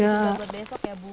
ada yang sudah buat besok ya bu